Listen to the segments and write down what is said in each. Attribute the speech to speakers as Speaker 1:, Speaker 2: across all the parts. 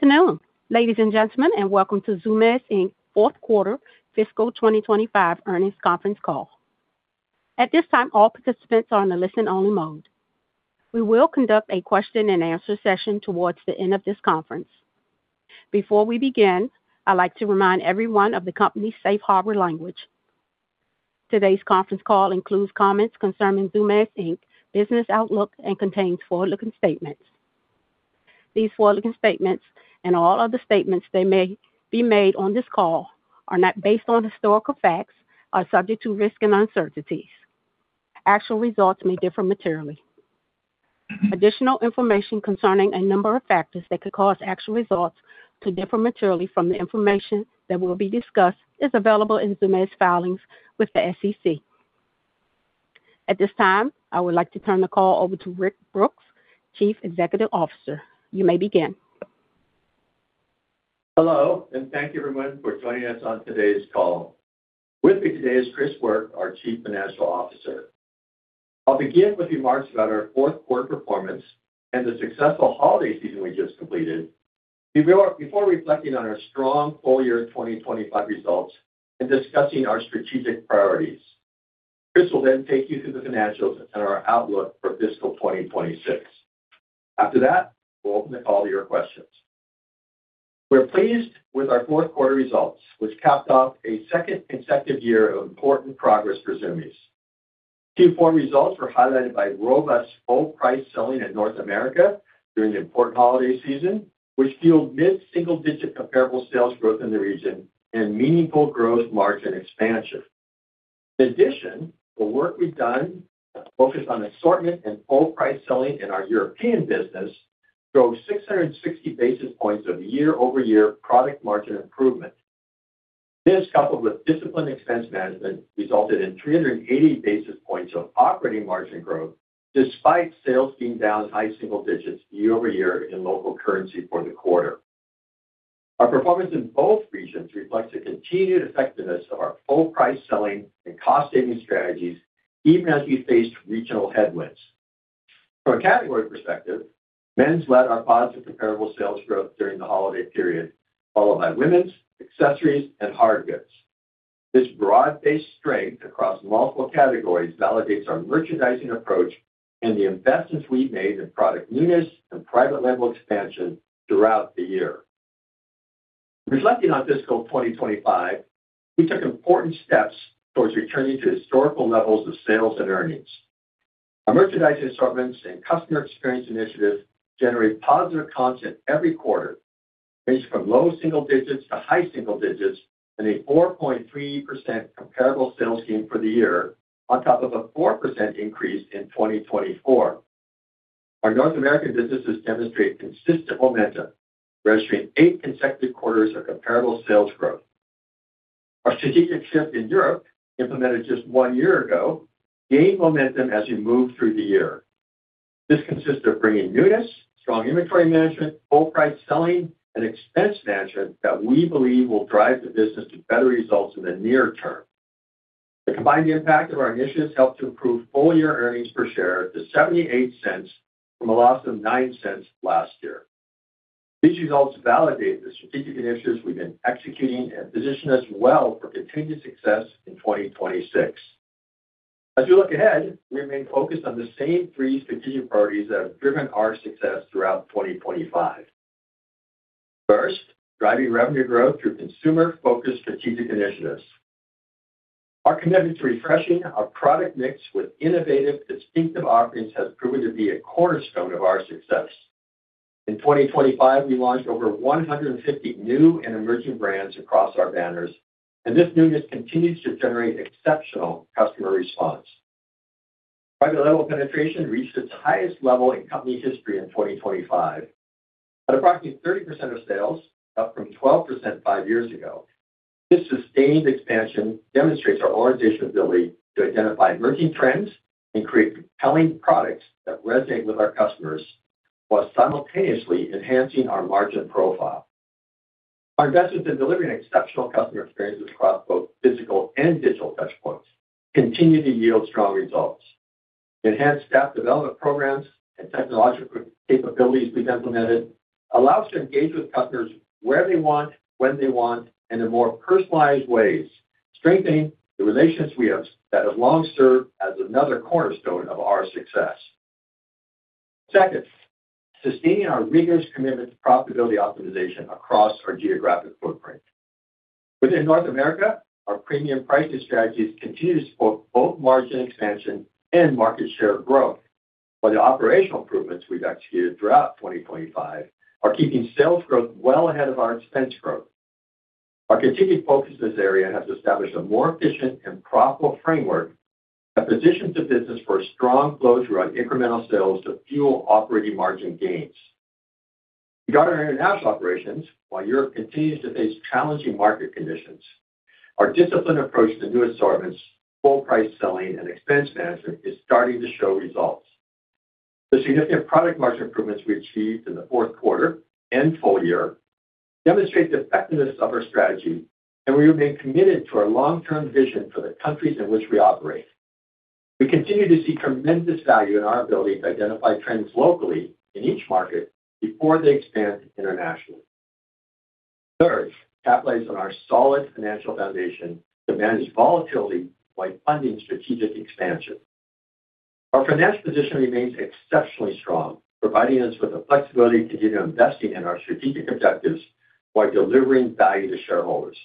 Speaker 1: Good afternoon, ladies and gentlemen, and welcome to Zumiez Fourth Quarter Fiscal 2025 Earnings Conference Call. At this time, all participants are in a listen-only mode. We will conduct a question and answer session towards the end of this conference. Before we begin, I'd like to remind everyone of the company's safe harbor language. Today's conference call includes comments concerning Zumiez Inc.'s business outlook, and contains forward-looking statements. These forward-looking statements and all other statements that may be made on this call are not based on historical facts, are subject to risk and uncertainties. Actual results may differ materially. Additional information concerning a number of factors that could cause actual results to differ materially from the information that will be discussed is available in Zumiez's filings with the SEC. At this time, I would like to turn the call over to Rick Brooks, Chief Executive Officer. You may begin.
Speaker 2: Hello, and thank you everyone for joining us on today's call. With me today is Chris Work, our Chief Financial Officer. I'll begin with remarks about our fourth quarter performance and the successful holiday season we just completed, before reflecting on our strong full year 2025 results and discussing our strategic priorities. Chris will then take you through the financials and our outlook for fiscal 2026. After that, we'll open the call to your questions. We're pleased with our fourth quarter results, which capped off a second consecutive year of important progress for Zumiez. Q4 results were highlighted by robust full price selling in North America during the important holiday season, which fueled mid-single digit comparable sales growth in the region and meaningful gross margin expansion. In addition, the work we've done focused on assortment and full price selling in our European business drove 660 basis points of year-over-year product margin improvement. This, coupled with disciplined expense management, resulted in 380 basis points of operating margin growth despite sales being down high single digits year-over-year in local currency for the quarter. Our performance in both regions reflects the continued effectiveness of our full price selling and cost savings strategies, even as we faced regional headwinds. From a category perspective, men's led our positive comparable sales growth during the holiday period, followed by women's, accessories, and hardgoods. This broad-based strength across multiple categories validates our merchandising approach and the investments we've made in product newness and private label expansion throughout the year. Reflecting on fiscal 2025, we took important steps towards returning to historical levels of sales and earnings. Our merchandise assortments and customer experience initiatives generate positive comps every quarter, ranged from low single digits to high single digits in a 4.3% comparable sales gain for the year on top of a 4% increase in 2024. Our North American businesses demonstrate consistent momentum, registering eight consecutive quarters of comparable sales growth. Our strategic shift in Europe, implemented just one year ago, gained momentum as we moved through the year. This consists of bringing newness, strong inventory management, full price selling, and expense management that we believe will drive the business to better results in the near term. The combined impact of our initiatives helped to improve full-year earnings per share to $0.78 from a loss of $0.09 last year. These results validate the strategic initiatives we've been executing and position us well for continued success in 2026. As we look ahead, we remain focused on the same three strategic priorities that have driven our success throughout 2025. First, driving revenue growth through consumer-focused strategic initiatives. Our commitment to refreshing our product mix with innovative, distinctive offerings has proven to be a cornerstone of our success. In 2025, we launched over 150 new and emerging brands across our banners, and this newness continues to generate exceptional customer response. Private label penetration reached its highest level in company history in 2025. At approximately 30% of sales, up from 12% five years ago, this sustained expansion demonstrates our organizational ability to identify emerging trends and create compelling products that resonate with our customers while simultaneously enhancing our margin profile. Our investments in delivering exceptional customer experiences across both physical and digital touchpoints continue to yield strong results. Enhanced staff development programs and technological capabilities we've implemented allow us to engage with customers where they want, when they want, and in more personalized ways, strengthening the relationships we have that have long served as another cornerstone of our success. Second, sustaining our rigorous commitment to profitability optimization across our geographic footprint. Within North America, our premium pricing strategies continue to support both margin expansion and market share growth, while the operational improvements we've executed throughout 2025 are keeping sales growth well ahead of our expense growth. Our continued focus in this area has established a more efficient and profitable framework that positions the business for a strong flow throughout incremental sales to fuel operating margin gains. Regarding international operations, while Europe continues to face challenging market conditions, our disciplined approach to new assortments, full price selling, and expense management is starting to show results. The significant product margin improvements we achieved in the fourth quarter and full year demonstrate the effectiveness of our strategy, and we remain committed to our long-term vision for the countries in which we operate. We continue to see tremendous value in our ability to identify trends locally in each market before they expand internationally. Third, capitalize on our solid financial foundation to manage volatility while funding strategic expansion. Our financial position remains exceptionally strong, providing us with the flexibility to continue investing in our strategic objectives while delivering value to shareholders.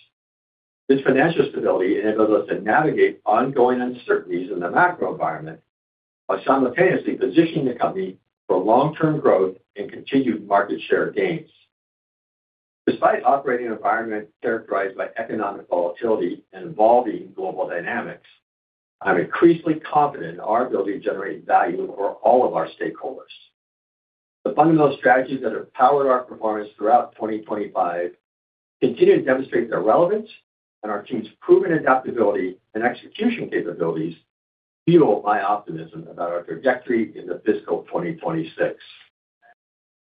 Speaker 2: This financial stability enables us to navigate ongoing uncertainties in the macro environment while simultaneously positioning the company for long-term growth and continued market share gains. Despite operating environment characterized by economic volatility and evolving global dynamics, I'm increasingly confident in our ability to generate value for all of our stakeholders. The fundamental strategies that have powered our performance throughout 2025 continue to demonstrate their relevance and our team's proven adaptability and execution capabilities fuel my optimism about our trajectory in the fiscal 2026.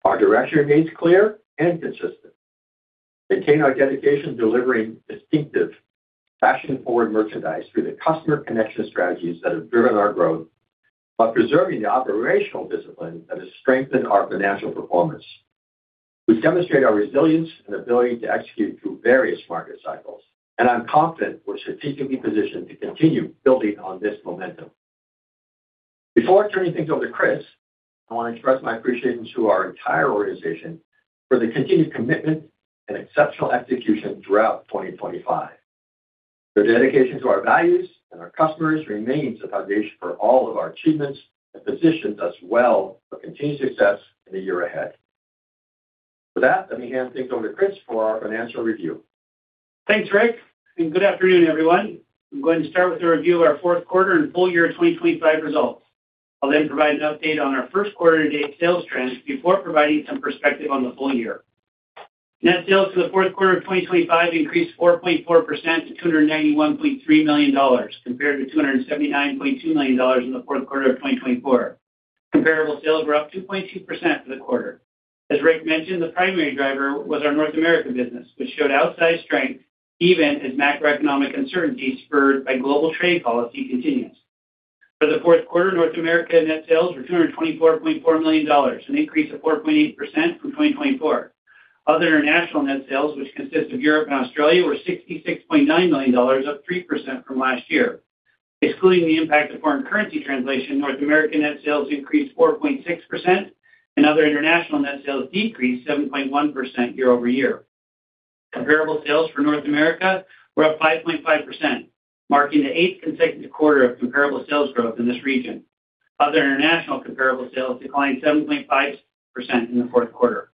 Speaker 2: Our direction remains clear and consistent. Maintain our dedication to delivering distinctive fashion-forward merchandise through the customer connection strategies that have driven our growth while preserving the operational discipline that has strengthened our financial performance. We've demonstrated our resilience and ability to execute through various market cycles, and I'm confident we're strategically positioned to continue building on this momentum. Before turning things over to Chris, I want to express my appreciation to our entire organization for their continued commitment and exceptional execution throughout 2025. Their dedication to our values and our customers remains the foundation for all of our achievements and positions us well for continued success in the year ahead. For that, let me hand things over to Chris for our financial review.
Speaker 3: Thanks, Rick, and good afternoon, everyone. I'm going to start with a review of our Fourth Quarter and Full Year 2025 Results. I'll then provide an update on our first quarter to date sales trends before providing some perspective on the full year. Net sales for the fourth quarter of 2025 increased 4.4% to $291.3 million compared to $279.2 million in the fourth quarter of 2024. Comparable sales were up 2.2% for the quarter. As Rick mentioned, the primary driver was our North America business, which showed outsized strength even as macroeconomic uncertainties spurred by global trade policy continues. For the fourth quarter, North America net sales were $224.4 million, an increase of 4.8% from 2024. Other international net sales, which consist of Europe and Australia, were $66.9 million, up 3% from last year. Excluding the impact of foreign currency translation, North American net sales increased 4.6% and other international net sales decreased 7.1% year-over-year. Comparable sales for North America were up 5.5%, marking the eighth consecutive quarter of comparable sales growth in this region. Other international comparable sales declined 7.5% in the fourth quarter.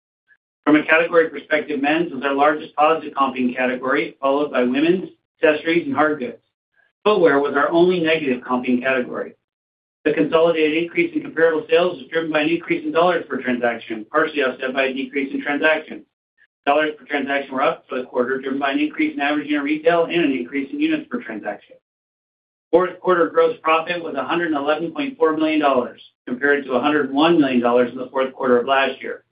Speaker 3: From a category perspective, men's was our largest positive comping category, followed by women's, accessories and hardgoods. Footwear was our only negative comping category. The consolidated increase in comparable sales was driven by an increase in dollars per transaction, partially offset by a decrease in transactions. Dollars per transaction were up for the quarter, driven by an increase in average unit retail and an increase in units per transaction. Fourth quarter gross profit was $111.4 million, compared to $101 million in the fourth quarter of last year.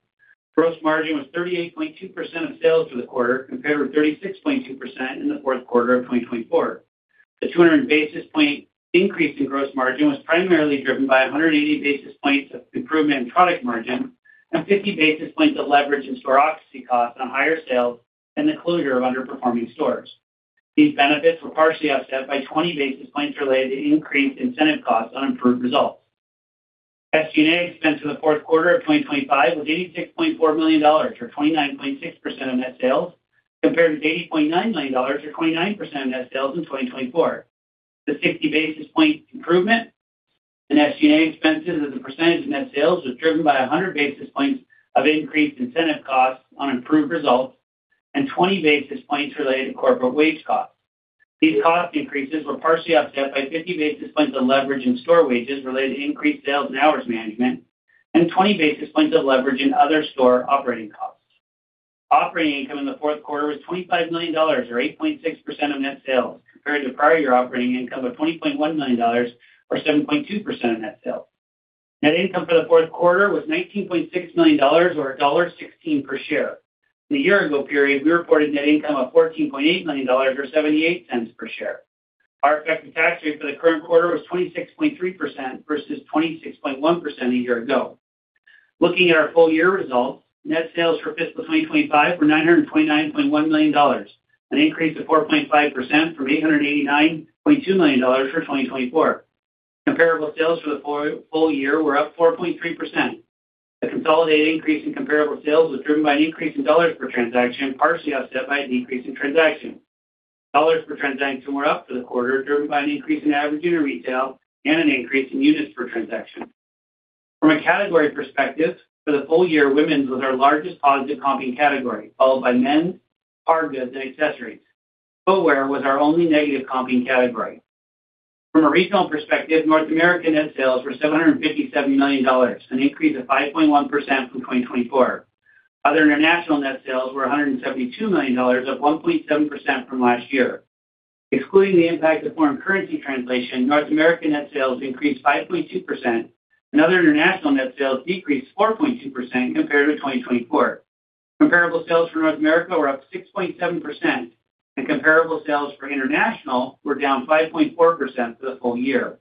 Speaker 3: Gross margin was 38.2% of sales for the quarter, compared with 36.2% in the fourth quarter of 2024. The 200 basis point increase in gross margin was primarily driven by 180 basis points of improvement in product margin and 50 basis points of leverage in store occupancy costs on higher sales and the closure of underperforming stores. These benefits were partially offset by 20 basis points related to increased incentive costs on improved results. SG&A expense in the fourth quarter of 2025 was $86.4 million, or 29.6% of net sales, compared to $80.9 million or 29% of net sales in 2024. The 60 basis point improvement in SG&A expenses as a percentage of net sales was driven by 100 basis points of increased incentive costs on improved results and 20 basis points related to corporate wage costs. These cost increases were partially offset by 50 basis points of leverage in store wages related to increased sales and hours management and 20 basis points of leverage in other store operating costs. Operating income in the fourth quarter was $25 million, or 8.6% of net sales, compared to prior year operating income of $20.1 million or 7.2% of net sales. Net income for the fourth quarter was $19.6 million or $1.16 per share. In the year ago period, we reported net income of $14.8 million or $0.78 per share. Our effective tax rate for the current quarter was 26.3% versus 26.1% a year ago. Looking at our full year results, net sales for fiscal 2025 were $929.1 million, an increase of 4.5% from $889.2 million for 2024. Comparable sales for the full year were up 4.3%. The consolidated increase in comparable sales was driven by an increase in dollars per transaction, partially offset by a decrease in transactions. Dollars per transaction were up for the quarter, driven by an increase in average unit retail and an increase in units per transaction. From a category perspective, for the full year, women's was our largest positive comping category, followed by men's, hardgoods and accessories. Footwear was our only negative comping category. From a regional perspective, North America net sales were $757 million, an increase of 5.1% from 2024. Other international net sales were $172 million, up 1.7% from last year. Excluding the impact of foreign currency translation, North American net sales increased 5.2% and other international net sales decreased 4.2% compared to 2024. Comparable sales for North America were up 6.7%, and comparable sales for international were down 5.4% for the full year.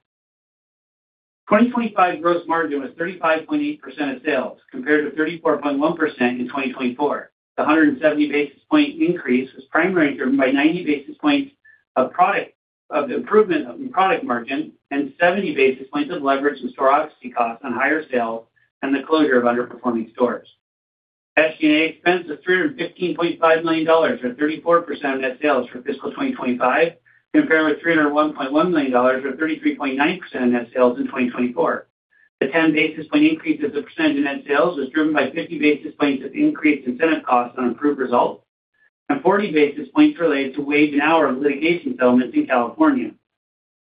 Speaker 3: 2025 gross margin was 35.8% of sales, compared to 34.1% in 2024. The 170 basis points increase was primarily driven by 90 basis points of the improvement of product margin and 70 basis points of leverage in store occupancy costs on higher sales and the closure of underperforming stores. SG&A expense of $315.5 million, or 34% of net sales for fiscal 2025, compared with $301.1 million, or 33.9% of net sales in 2024. The 10 basis point increase as a percent of net sales was driven by 50 basis points of increased incentive costs on improved results and 40 basis points related to wage and hour litigation settlements in California.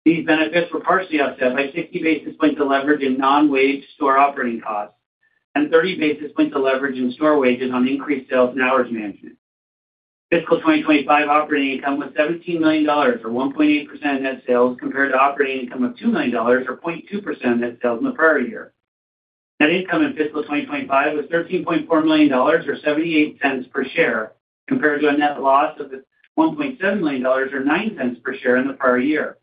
Speaker 3: These benefits were partially offset by 60 basis points of leverage in non-wage store operating costs and 30 basis points of leverage in store wages on increased sales and hours management. Fiscal 2025 operating income was $17 million, or 1.8% of net sales, compared to operating income of $2 million, or 0.2% of net sales in the prior year. Net income in fiscal 2025 was $13.4 million, or $0.78 per share, compared to a net loss of $1.7 million, or $0.09 per share in the prior year.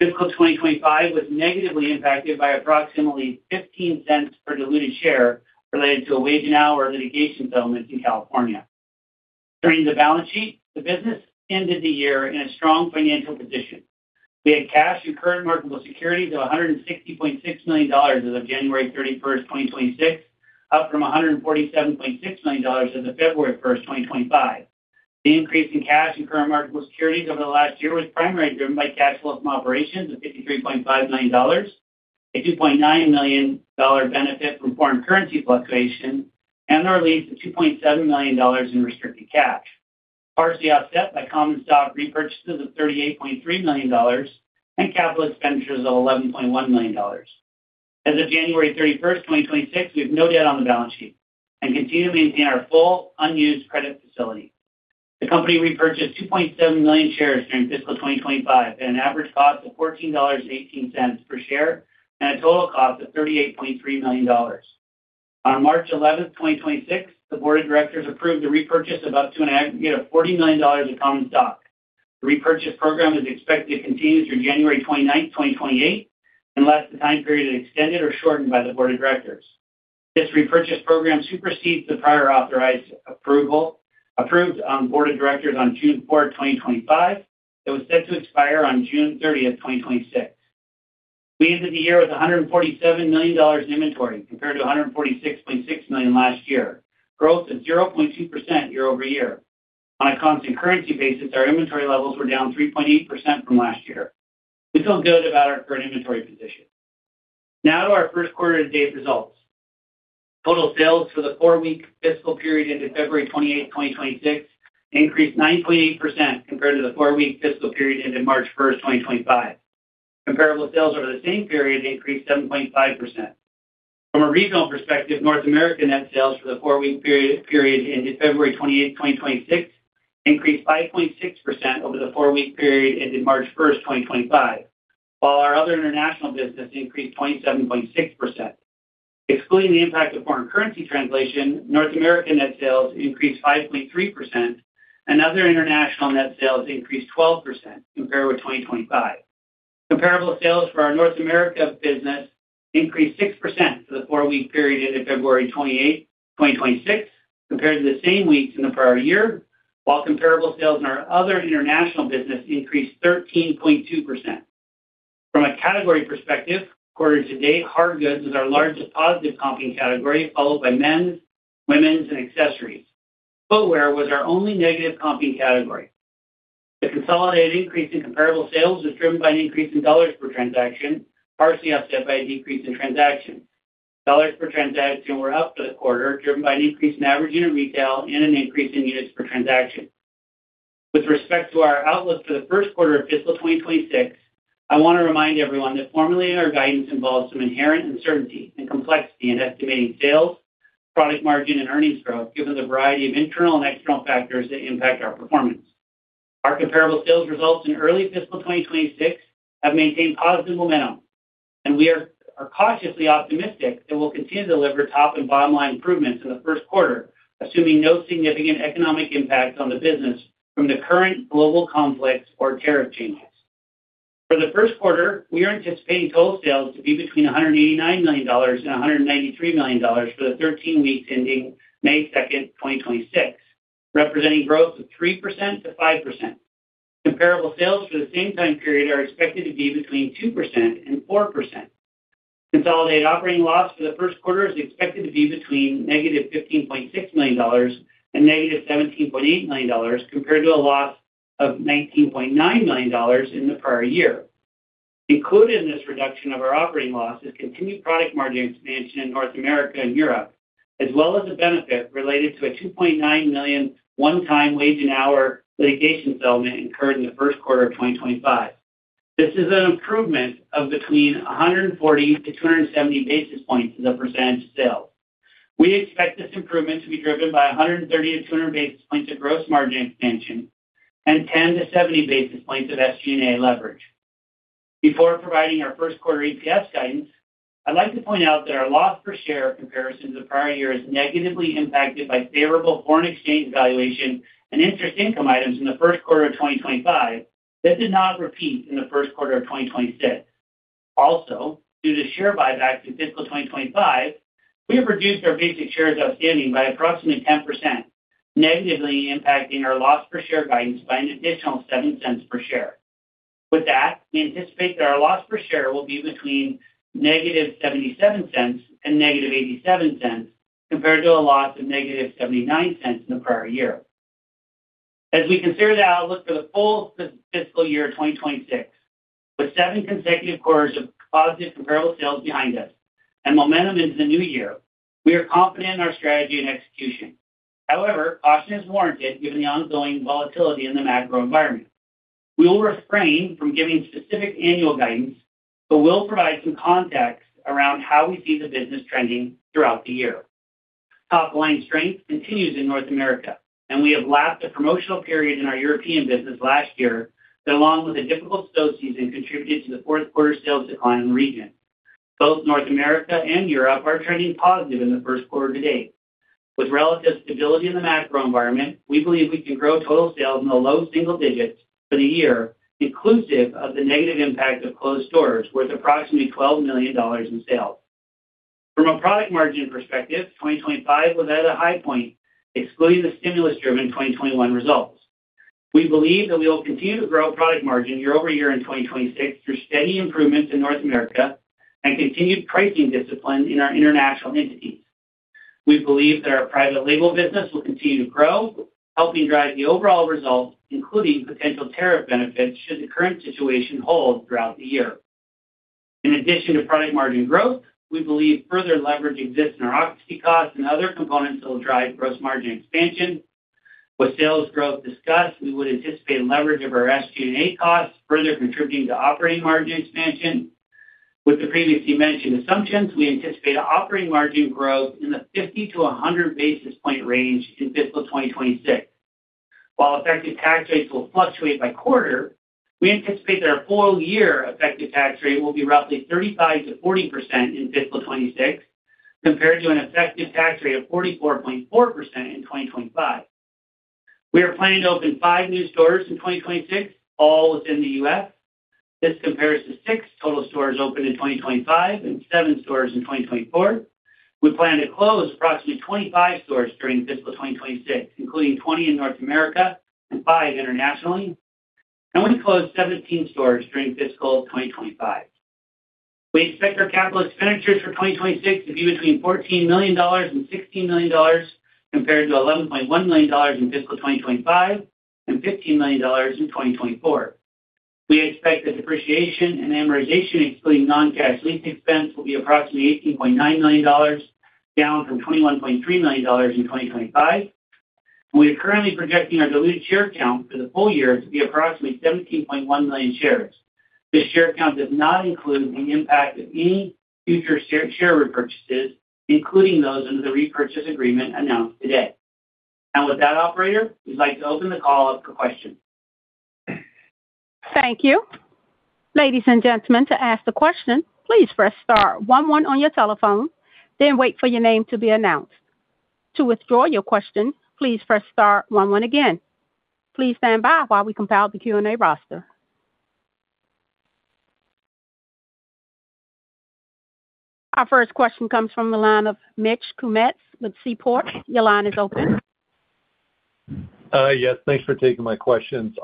Speaker 3: Fiscal 2025 was negatively impacted by approximately $0.15 per diluted share related to a wage and hour litigation settlement in California. Turning to the balance sheet, the business ended the year in a strong financial position. We had cash and current marketable securities of $160.6 million as of January 31st, 2026, up from $147.6 million as of February 1st, 2025. The increase in cash and current marketable securities over the last year was primarily driven by cash flow from operations of $53.5 million, a $2.9 million benefit from foreign currency fluctuation, and the release of $2.7 million in restricted cash, partially offset by common stock repurchases of $38.3 million and capital expenditures of $11.1 million. As of January 31st, 2026, we have no debt on the balance sheet and continue to maintain our full unused credit facility. The company repurchased 2.7 million shares during fiscal 2025 at an average cost of $14.18 per share, and a total cost of $38.3 million. On March 11th, 2026, the board of directors approved the repurchase of up to an aggregate of $40 million of common stock. The repurchase program is expected to continue through January 29th, 2028, unless the time period is extended or shortened by the board of directors. This repurchase program supersedes the prior authorized approval approved by the board of directors on June 4th, 2025, that was set to expire on June 30th, 2026. We ended the year with $147 million in inventory, compared to $146.6 million last year, growth of 0.2% year-over-year. On a constant currency basis, our inventory levels were down 3.8% from last year. We feel good about our current inventory position. Now to our first quarter to date results. Total sales for the four-week fiscal period ended February 28th, 2026, increased 9.8% compared to the four-week fiscal period ended March 1st, 2025. Comparable sales over the same period increased 7.5%. From a regional perspective, North America net sales for the four-week period ended February 28th, 2026, increased 5.6% over the four-week period ended March 1st, 2025, while our other international business increased 27.6%. Excluding the impact of foreign currency translation, North America net sales increased 5.3% and other international net sales increased 12% compared with 2025. Comparable sales for our North America business increased 6% for the four-week period ended February 28th, 2026, compared to the same weeks in the prior year, while comparable sales in our other international business increased 13.2%. From a category perspective, quarter to date, hardgoods is our largest positive comping category, followed by men's, women's, and accessories. Footwear was our only negative comping category. The consolidated increase in comparable sales was driven by an increase in dollars per transaction, partially offset by a decrease in transactions. Dollars per transaction were up for the quarter, driven by an increase in average unit retail and an increase in units per transaction. With respect to our outlook for the first quarter of fiscal 2026, I want to remind everyone that formulating our guidance involves some inherent uncertainty and complexity in estimating sales, product margin, and earnings growth, given the variety of internal and external factors that impact our performance. Our comparable sales results in early fiscal 2026 have maintained positive momentum, and we are cautiously optimistic that we'll continue to deliver top and bottom-line improvements in the first quarter, assuming no significant economic impacts on the business from the current global conflicts or tariff changes. For the first quarter, we are anticipating total sales to be between $189 million and $193 million for the 13 weeks ending May 2nd, 2026, representing growth of 3%-5%. Comparable sales for the same time period are expected to be between 2% and 4%. Consolidated operating loss for the first quarter is expected to be between -$15.6 million and -$17.8 million, compared to a loss of $19.9 million in the prior year. Included in this reduction of our operating loss is continued product margin expansion in North America and Europe, as well as a benefit related to a $2.9 million one-time wage and hour litigation settlement incurred in the first quarter of 2025. This is an improvement of between 140-270 basis points as a percentage of sales. We expect this improvement to be driven by 130-200 basis points of gross margin expansion and 10-70 basis points of SG&A leverage. Before providing our first quarter EPS guidance, I'd like to point out that our loss per share comparisons of prior year is negatively impacted by favorable foreign exchange valuation and interest income items in the first quarter of 2025 that did not repeat in the first quarter of 2026. Also, due to share buybacks in fiscal 2025, we have reduced our basic shares outstanding by approximately 10%, negatively impacting our loss per share guidance by an additional $0.07 per share. With that, we anticipate that our loss per share will be between -$0.77 and -$0.87 compared to a loss of -$0.79 in the prior year. As we consider the outlook for the full fiscal year 2026, with seven consecutive quarters of positive comparable sales behind us and momentum into the new year, we are confident in our strategy and execution. However, caution is warranted given the ongoing volatility in the macro environment. We will refrain from giving specific annual guidance, but we'll provide some context around how we see the business trending throughout the year. Top line strength continues in North America, and we have lapped a promotional period in our European business last year that, along with a difficult snow season, contributed to the fourth quarter sales decline in the region. Both North America and Europe are trending positive in the first quarter to date. With relative stability in the macro environment, we believe we can grow total sales in the low single digits for the year, inclusive of the negative impact of closed stores worth approximately $12 million in sales. From a product margin perspective, 2025 was at a high point, excluding the stimulus driven 2021 results. We believe that we will continue to grow product margin year-over-year in 2026 through steady improvements in North America and continued pricing discipline in our international entities. We believe that our private label business will continue to grow, helping drive the overall results, including potential tariff benefits should the current situation hold throughout the year. In addition to product margin growth, we believe further leverage exists in our occupancy costs and other components that will drive gross margin expansion. With sales growth discussed, we would anticipate leverage of our SG&A costs further contributing to operating margin expansion. With the previously mentioned assumptions, we anticipate operating margin growth in the 50-100 basis points range in fiscal 2026. While effective tax rates will fluctuate by quarter, we anticipate that our full year effective tax rate will be roughly 35%-40% in fiscal 2026 compared to an effective tax rate of 44.4% in 2025. We are planning to open five new stores in 2026, all within the U.S. This compares to 6 total stores opened in 2025 and seven stores in 2024. We plan to close approximately 25 stores during fiscal 2026, including 20 in North America and five internationally, and we closed 17 stores during fiscal 2025. We expect our capital expenditures for 2026 to be between $14 million and $16 million compared to $11.1 million in fiscal 2025 and $15 million in 2024. We expect that depreciation and amortization, excluding non-cash lease expense, will be approximately $18.9 million, down from $21.3 million in 2025. We are currently projecting our diluted share count for the full year to be approximately 17.1 million shares. This share count does not include the impact of any future share repurchases, including those under the repurchase agreement announced today. With that operator, we'd like to open the call up for questions.
Speaker 1: Thank you. Ladies and gentlemen, to ask the question, please press star one one on your telephone, then wait for your name to be announced. To withdraw your question, please press star one one again. Please stand by while we compile the Q&A roster. Our first question comes from the line of Mitch Kummetz with Seaport. Your line is open.
Speaker 4: Yes, thanks for taking my questions.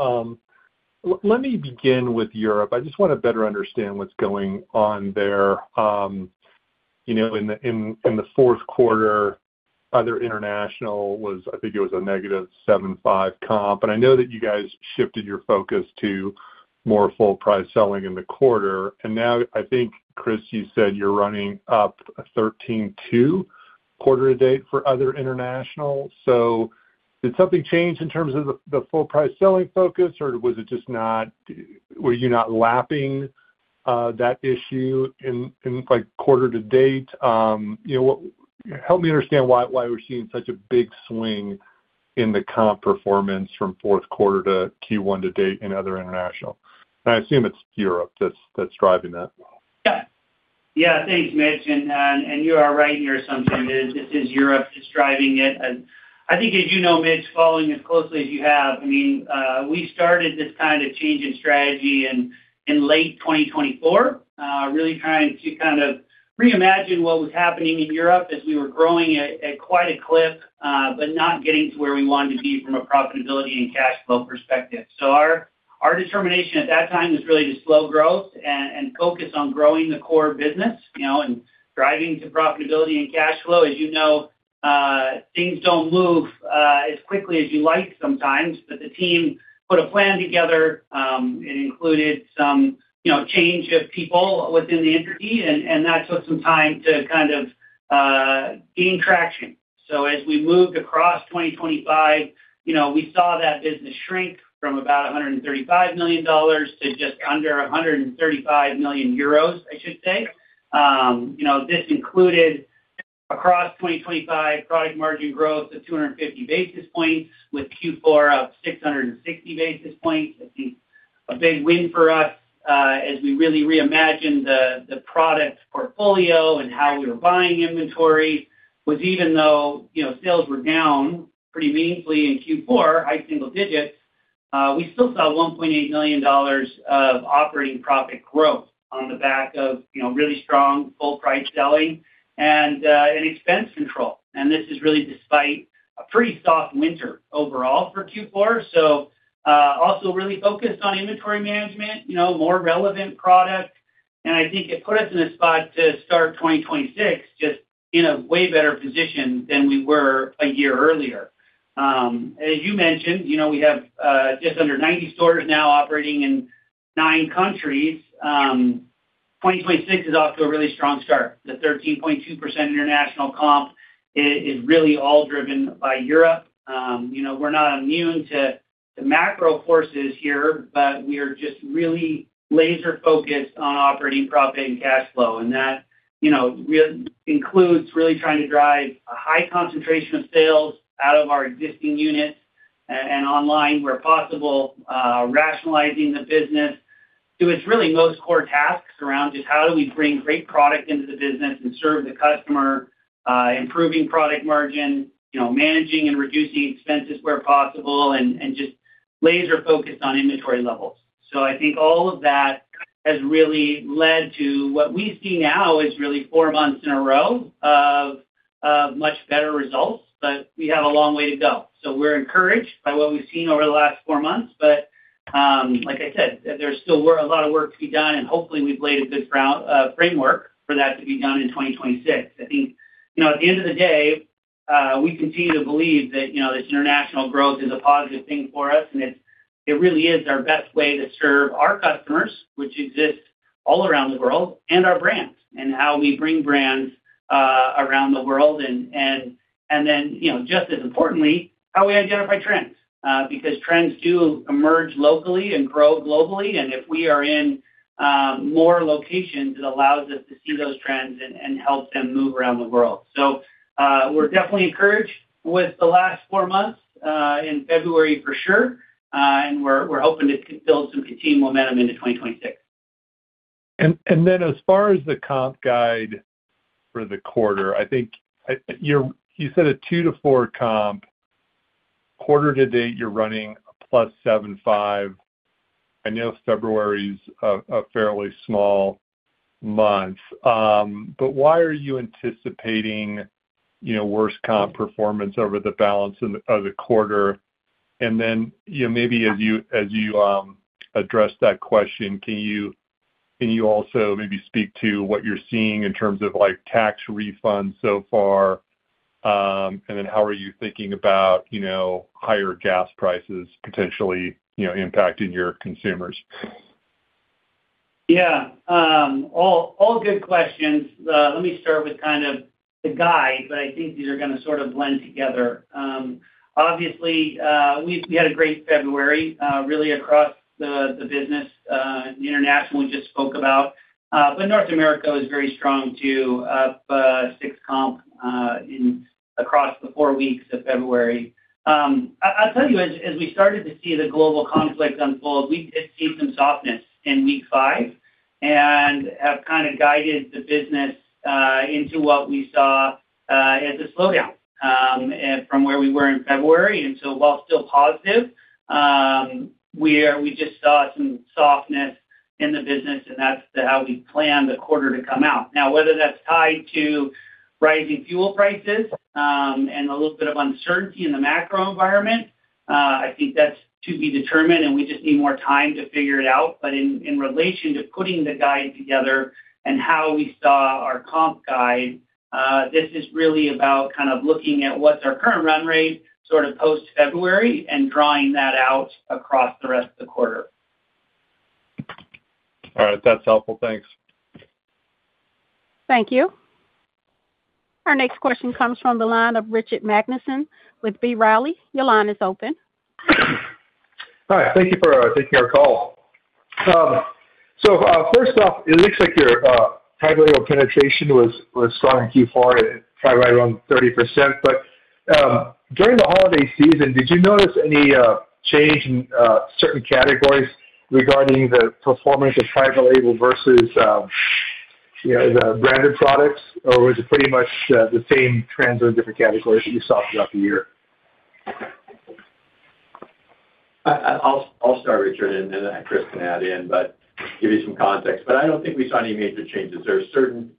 Speaker 4: Let me begin with Europe. I just want to better understand what's going on there. You know, in the fourth quarter, other international was, I think, a -7.5% comp, and I know that you guys shifted your focus to more full price selling in the quarter. Now I think, Chris, you said you're running up a 13.2% quarter to date for other international. So did something change in terms of the full price selling focus, or was it just Were you not lapping that issue in like quarter to date? You know, help me understand why we're seeing such a big swing in the comp performance from fourth quarter to Q1 to date in other international. I assume it's Europe that's driving that.
Speaker 3: Thanks, Mitch. You are right in your assumption. It is Europe just driving it. I think as you know, Mitch, following as closely as you have, I mean, we started this kind of change in strategy in late 2024, really trying to kind of reimagine what was happening in Europe as we were growing at quite a clip, but not getting to where we wanted to be from a profitability and cash flow perspective. Our determination at that time was really to slow growth and focus on growing the core business, you know, and driving to profitability and cash flow. As you know, things don't move as quickly as you like sometimes, but the team put a plan together, and included some, you know, change of people within the entity, and that took some time to kind of gain traction. As we moved across 2025, you know, we saw that business shrink from about $135 million to just under 135 million euros, I should say. You know, this included. Across 2025, product margin growth of 250 basis points with Q4 up 660 basis points. I think a big win for us, as we really reimagined the product portfolio and how we were buying inventory was even though, you know, sales were down pretty meaningfully in Q4, high single digits, we still saw $1.8 million of operating profit growth on the back of, you know, really strong full price selling and an expense control. This is really despite a pretty soft winter overall for Q4. Also really focused on inventory management, you know, more relevant product. I think it put us in a spot to start 2026 just in a way better position than we were a year earlier. As you mentioned, you know, we have just under 90 stores now operating in nine countries. 2026 is off to a really strong start. The 13.2% international comp is really all driven by Europe. You know, we're not immune to the macro forces here, but we are just really laser focused on operating profit and cash flow. That, you know, includes really trying to drive a high concentration of sales out of our existing units and online where possible, rationalizing the business to its really most core tasks around just how do we bring great product into the business and serve the customer, improving product margin, you know, managing and reducing expenses where possible and just laser focused on inventory levels. I think all of that has really led to what we see now is really four months in a row of much better results, but we have a long way to go. We're encouraged by what we've seen over the last four months. Like I said, there still were a lot of work to be done, and hopefully we've laid a good framework for that to be done in 2026. I think, you know, at the end of the day, we continue to believe that, you know, this international growth is a positive thing for us, and it really is our best way to serve our customers, which exist all around the world and our brands. How we bring brands around the world and then, you know, just as importantly, how we identify trends. Because trends do emerge locally and grow globally, and if we are in more locations, it allows us to see those trends and help them move around the world. We're definitely encouraged with the last four months, in February for sure. We're hoping to build some continued momentum into 2026.
Speaker 4: As far as the comp guide for the quarter, I think you said a 2%-4% comp quarter to date, you're running +7.5%. I know February is a fairly small month. Why are you anticipating, you know, worse comp performance over the balance of the quarter? You know, maybe as you address that question, can you also maybe speak to what you're seeing in terms of like tax refunds so far? How are you thinking about, you know, higher gas prices potentially, you know, impacting your consumers?
Speaker 3: Yeah. All good questions. Let me start with kind of the guide, but I think these are gonna sort of blend together. Obviously, we had a great February, really across the business. International we just spoke about. But North America was very strong too, up six comp across the four weeks of February. I'll tell you as we started to see the global conflict unfold, we did see some softness in week five and have kinda guided the business into what we saw as a slowdown from where we were in February. While still positive, we just saw some softness in the business, and that's how we planned the quarter to come out. Now whether that's tied to rising fuel prices, and a little bit of uncertainty in the macro environment, I think that's to be determined, and we just need more time to figure it out. In relation to putting the guide together and how we saw our comp guide, this is really about kind of looking at what's our current run rate, sort of post-February and drawing that out across the rest of the quarter.
Speaker 4: All right. That's helpful. Thanks.
Speaker 1: Thank you. Our next question comes from the line of Richard Magnusen with B. Riley. Your line is open.
Speaker 5: Hi. Thank you for taking our call. First off, it looks like your private label penetration was strong in Q4 at probably around 30%. During the holiday season, did you notice any change in certain categories regarding the performance of private label versus, you know, the branded products? Was it pretty much the same trends in different categories that you saw throughout the year?
Speaker 2: I'll start, Richard, and then Chris can add in, but give you some context. I don't think we saw any major changes. There are certain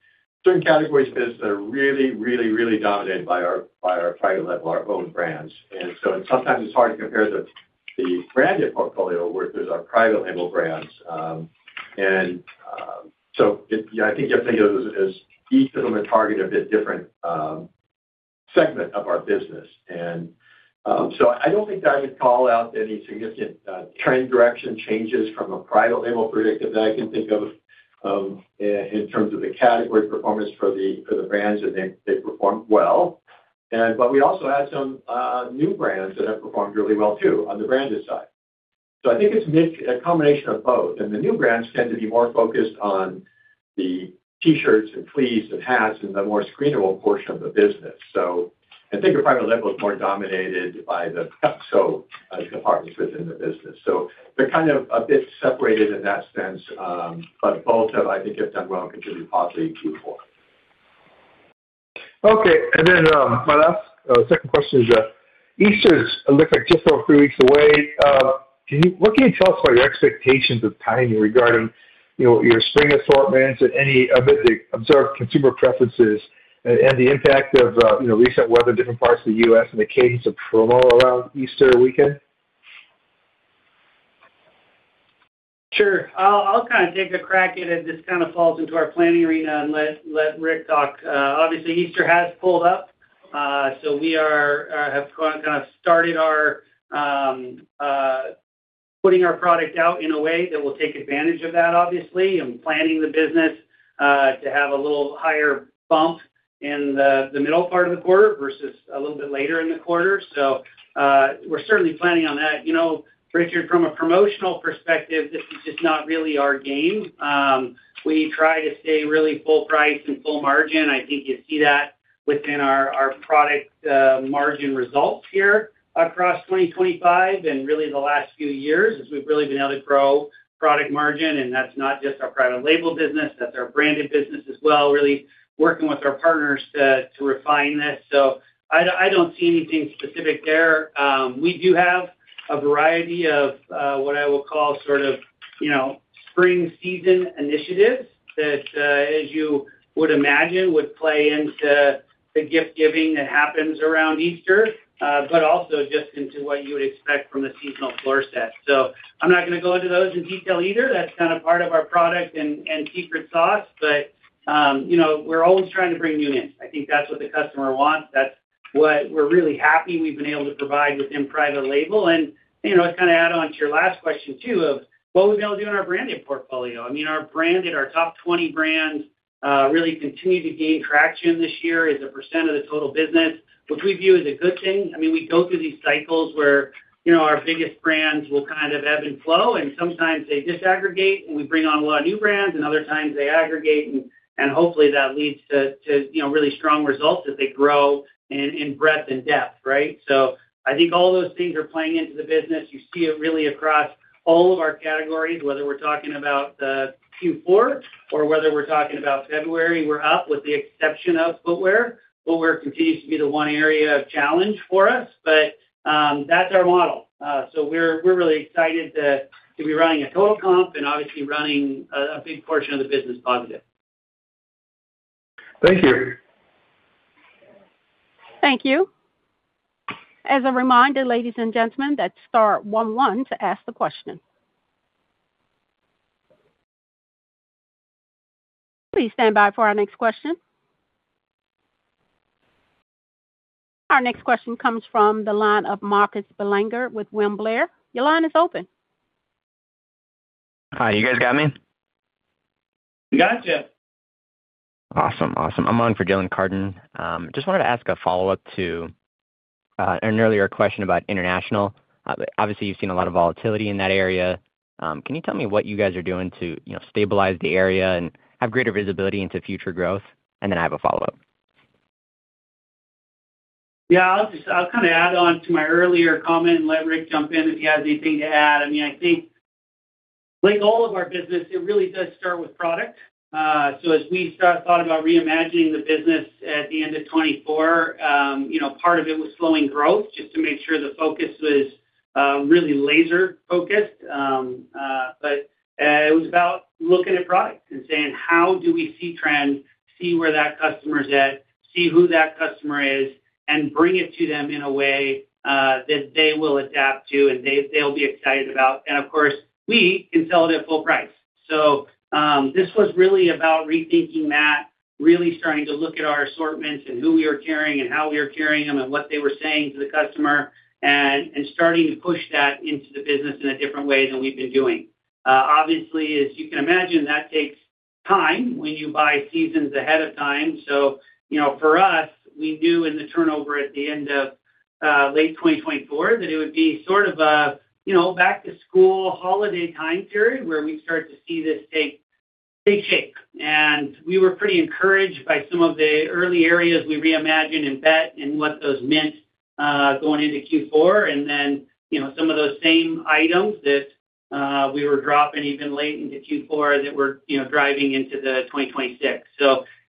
Speaker 2: categories of business that are really dominated by our private label, our own brands. Sometimes it's hard to compare the branded portfolio with our private label brands. I think you have to think of those as each of them are targeted a bit different segment of our business. I don't think I would call out any significant trend direction changes from a private label perspective that I can think of, in terms of the category performance for the brands, and they performed well. We also had some new brands that have performed really well too on the branded side. I think it's a combination of both. The new brands tend to be more focused on the T-shirts and fleeces and hats and the more screenable portion of the business. I think your private label is more dominated by the pants departments within the business. They're kind of a bit separated in that sense. Both have, I think, done well and continue positively Q4.
Speaker 5: Okay. My last, second question is, Easter is looking just over three weeks away. What can you tell us about your expectations of timing regarding, you know, your spring assortments and any observed consumer preferences and the impact of, you know, recent weather in different parts of the U.S. and the cadence of promo around Easter weekend?
Speaker 3: Sure. I'll kind of take a crack at it. This kind of falls into our planning arena and let Rick talk. Obviously, Easter has pulled up, so we have kind of started our putting our product out in a way that will take advantage of that, obviously, and planning the business to have a little higher bump in the middle part of the quarter versus a little bit later in the quarter. We're certainly planning on that. You know, Richard, from a promotional perspective, this is just not really our game. We try to stay really full price and full margin. I think you see that within our product margin results here across 2025 and really the last few years as we've really been able to grow product margin, and that's not just our private label business, that's our branded business as well, really working with our partners to refine this. I don't see anything specific there. We do have a variety of what I will call sort of, you know, spring season initiatives that, as you would imagine, would play into the gift giving that happens around Easter, but also just into what you would expect from a seasonal floor set. I'm not going to go into those in detail either. That's kind of part of our product and secret sauce. You know, we're always trying to bring new in. I think that's what the customer wants. That's what we're really happy we've been able to provide within private label. You know, to kind of add on to your last question, too, of what we've been able to do in our branded portfolio. I mean, our branded, our top 20 brands really continue to gain traction this year as a percent of the total business, which we view as a good thing. I mean, we go through these cycles where, you know, our biggest brands will kind of ebb and flow, and sometimes they disaggregate, and we bring on a lot of new brands, and other times they aggregate. Hopefully that leads to, you know, really strong results as they grow in breadth and depth. Right? I think all those things are playing into the business. You see it really across all of our categories, whether we're talking about Q4 or whether we're talking about February, we're up with the exception of footwear. Footwear continues to be the one area of challenge for us, but that's our model. We're really excited to be running a total comp and obviously running a big portion of the business positive.
Speaker 5: Thank you.
Speaker 1: Thank you. As a reminder, ladies and gentlemen, that's star one one to ask the question. Please stand by for our next question. Our next question comes from the line of Marcus Belanger with William Blair. Your line is open.
Speaker 6: Hi, you guys got me?
Speaker 3: Got you.
Speaker 6: Awesome. I'm on for Dylan Carden. Just wanted to ask a follow-up to an earlier question about international. Obviously, you've seen a lot of volatility in that area. Can you tell me what you guys are doing to, you know, stabilize the area and have greater visibility into future growth? And then I have a follow-up.
Speaker 3: Yeah, I'll kind of add on to my earlier comment and let Rick jump in if he has anything to add. I mean, I think, like all of our business, it really does start with product. As we started to think about reimagining the business at the end of 2024, part of it was slowing growth just to make sure the focus was really laser focused. It was about looking at products and saying, how do we see trends, see where that customer is at, see who that customer is, and bring it to them in a way that they will adapt to and they'll be excited about. Of course, we can sell it at full price. This was really about rethinking that, really starting to look at our assortments and who we are carrying and how we are carrying them and what they were saying to the customer and starting to push that into the business in a different way than we've been doing. Obviously, as you can imagine, that takes time when you buy seasons ahead of time. You know, for us, we knew in the turnover at the end of late 2024 that it would be sort of a back to school holiday time period where we start to see this take shape. We were pretty encouraged by some of the early areas we reimagined and bet and what those meant going into Q4. You know, some of those same items that we were dropping even late into Q4 that we're, you know, driving into 2026.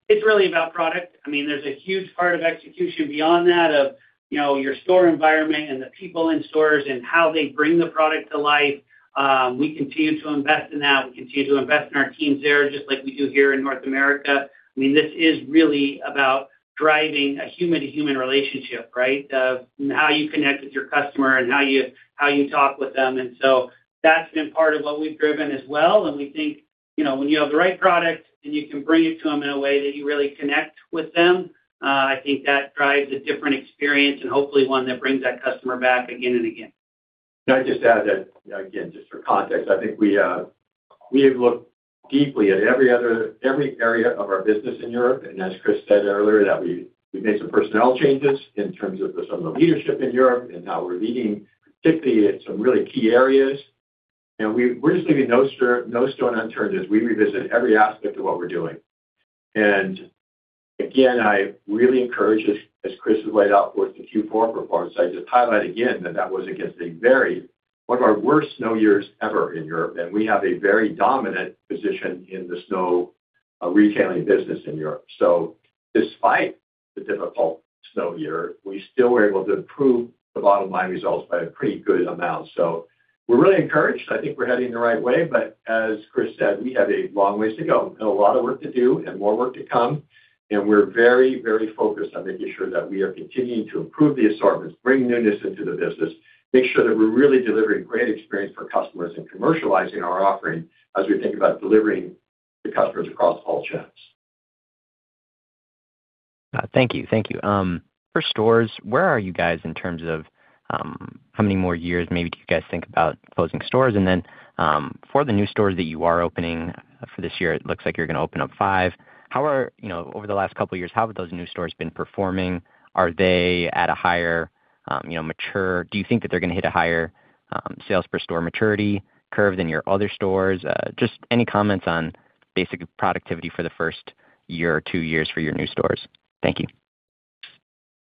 Speaker 3: It's really about product. I mean, there's a huge part of execution beyond that of, you know, your store environment and the people in stores and how they bring the product to life. We continue to invest in that. We continue to invest in our teams there, just like we do here in North America. I mean, this is really about driving a human to human relationship, right? Of how you connect with your customer and how you talk with them. That's been part of what we've driven as well. We think, you know, when you have the right product and you can bring it to them in a way that you really connect with them, I think that drives a different experience and hopefully one that brings that customer back again and again.
Speaker 2: Can I just add that, again, just for context, I think we have looked deeply at every area of our business in Europe. As Chris said earlier, that we've made some personnel changes in terms of some of the leadership in Europe and how we're leading, particularly at some really key areas. You know, we're just leaving no stone unturned as we revisit every aspect of what we're doing. Again, I really encourage, as Chris has laid out with the Q4 reports, I just highlight again that was against a very one of our worst snow years ever in Europe, and we have a very dominant position in the snow retailing business in Europe. Despite the difficult snow year, we still were able to improve the bottom line results by a pretty good amount. We're really encouraged. I think we're heading the right way. As Chris said, we have a long ways to go and a lot of work to do and more work to come. We're very, very focused on making sure that we are continuing to improve the assortments, bring newness into the business, make sure that we're really delivering great experience for customers and commercializing our offering as we think about delivering to customers across all channels.
Speaker 6: Thank you. For stores, where are you guys in terms of how many more years maybe do you guys think about closing stores? For the new stores that you are opening for this year, it looks like you're gonna open up five. You know, over the last couple of years, how have those new stores been performing? Are they at a higher, you know, Do you think that they're gonna hit a higher, sales per store maturity curve than your other stores? Just any comments on basic productivity for the first year or two years for your new stores. Thank you.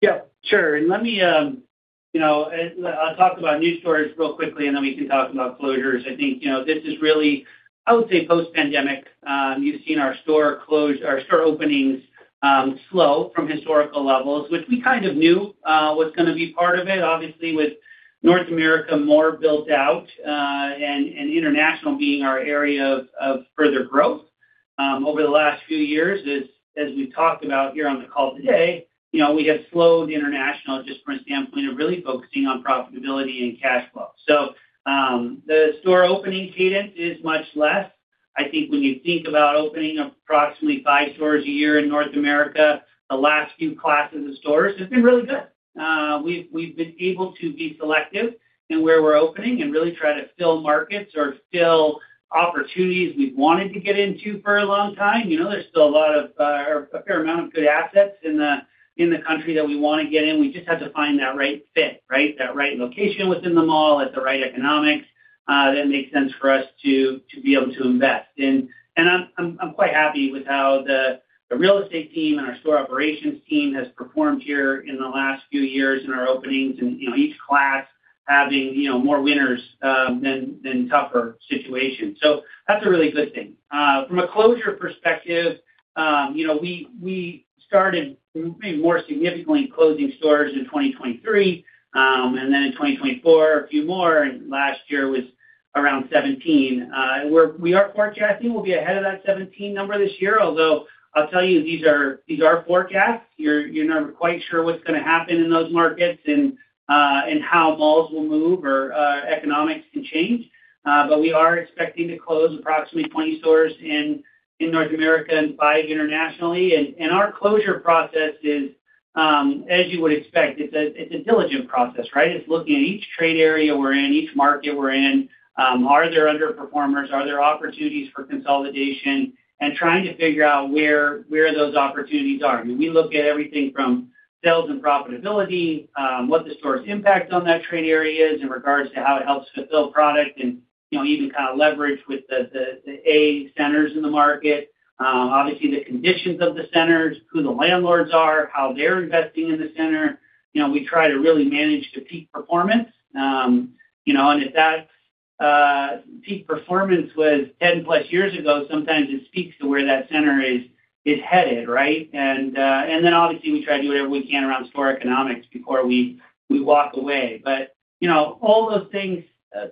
Speaker 3: Yeah, sure. Let me, you know, I'll talk about new stores real quickly, and then we can talk about closures. I think, you know, this is really, I would say, post-pandemic, you've seen our store openings slow from historical levels, which we kind of knew was gonna be part of it. Obviously, with North America more built out, and International being our area of further growth. Over the last few years, as we've talked about here on the call today, you know, we have slowed the International just from a standpoint of really focusing on profitability and cash flow. So, the store opening cadence is much less. I think when you think about opening approximately five stores a year in North America, the last few classes of stores, it's been really good. We've been able to be selective in where we're opening and really try to fill markets or fill opportunities we've wanted to get into for a long time. You know, there's still a lot of or a fair amount of good assets in the country that we wanna get in. We just have to find that right fit, right? That right location within the mall at the right economics that makes sense for us to be able to invest. I'm quite happy with how the real estate team and our store operations team has performed here in the last few years in our openings and, you know, each class having, you know, more winners than tougher situations. That's a really good thing. From a closure perspective, you know, we started maybe more significantly in closing stores in 2023, and then in 2024, a few more, and last year was around 17. We are forecasting we'll be ahead of that 17 number this year, although I'll tell you these are forecasts. You're never quite sure what's gonna happen in those markets and how malls will move or, economics can change. We are expecting to close approximately 20 stores in North America and five internationally. Our closure process is, as you would expect, it's a diligent process, right? It's looking at each trade area we're in, each market we're in. Are there underperformers? Are there opportunities for consolidation? Trying to figure out where those opportunities are. I mean, we look at everything from sales and profitability, what the store's impact on that trade area is in regards to how it helps fulfill product and, you know, even kind of leverage with the A centers in the market. Obviously the conditions of the centers, who the landlords are, how they're investing in the center. You know, we try to really manage to peak performance. You know, and if that peak performance was 10+ years ago, sometimes it speaks to where that center is headed, right? Then obviously, we try to do whatever we can around store economics before we walk away. You know, all those things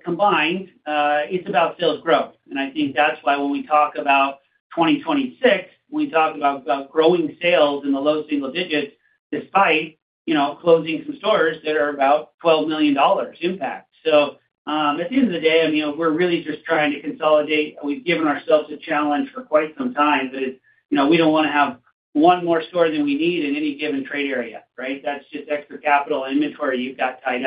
Speaker 3: combined, it's about sales growth. I think that's why when we talk about 2026, we talk about growing sales in the low single digits% despite, you know, closing some stores that are about $12 million impact. At the end of the day, I mean, we're really just trying to consolidate. We've given ourselves a challenge for quite some time, but, you know, we don't wanna have one more store than we need in any given trade area, right? That's just extra capital and inventory you've got tied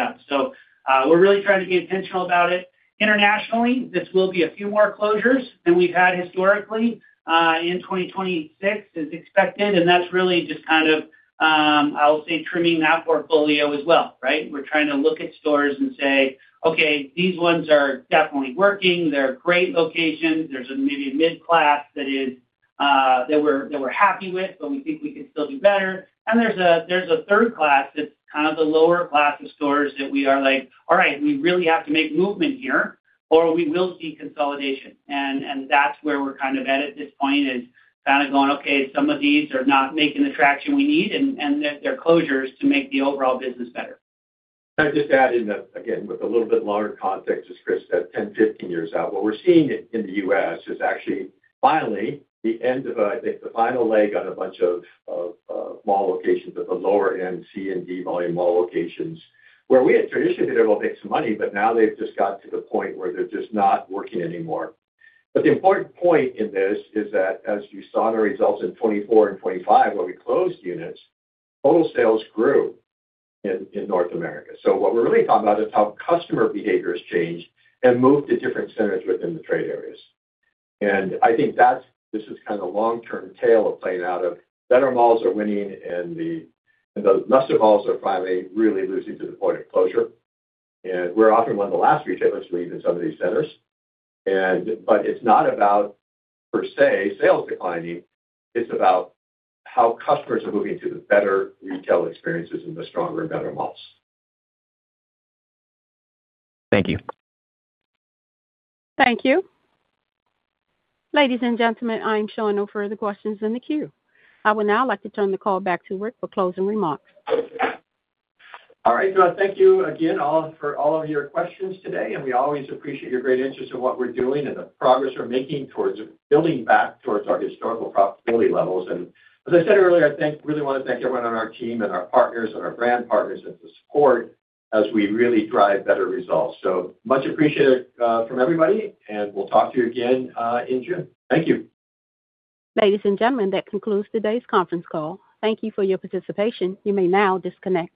Speaker 3: up. We're really trying to be intentional about it. Internationally, this will be a few more closures than we've had historically in 2026 as expected. That's really just kind of, I'll say trimming that portfolio as well, right? We're trying to look at stores and say, "Okay, these ones are definitely working. They're great locations. There's maybe a mid-class that we're happy with, but we think we can still do better. There's a third class that's kind of the lower class of stores that we are like, "All right, we really have to make movement here or we will see consolidation." That's where we're kind of at this point is kinda going, "Okay, some of these are not making the traction we need, and they're closures to make the overall business better.
Speaker 2: Can I just add in that again, with a little bit larger context, as Chris said, 10, 15 years out, what we're seeing in the U.S. is actually finally the end of a, I think, the final leg on a bunch of mall locations at the lower end C and D volume mall locations where we had traditionally been able to make some money, but now they've just got to the point where they're just not working anymore. The important point in this is that as you saw the results in 2024 and 2025 where we closed units, total sales grew in North America. What we're really talking about is how customer behavior has changed and moved to different centers within the trade areas. I think that's. This is kind of long-term tale of playing out of better malls are winning and the lesser malls are finally really losing to the point of closure. We're often one of the last retailers to leave in some of these centers. It's not about per se sales declining. It's about how customers are moving to the better retail experiences in the stronger and better malls.
Speaker 6: Thank you.
Speaker 1: Thank you. Ladies and gentlemen, I'm showing no further questions in the queue. I would now like to turn the call back to Rick for closing remarks.
Speaker 2: All right. Thank you again all for all of your questions today, and we always appreciate your great interest in what we're doing and the progress we're making towards building back towards our historical profitability levels. As I said earlier, really wanna thank everyone on our team and our partners and our brand partners and the support as we really drive better results. Much appreciated from everybody, and we'll talk to you again in June. Thank you.
Speaker 1: Ladies and gentlemen, that concludes today's conference call. Thank you for your participation. You may now disconnect.